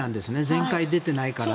前回は出てないから。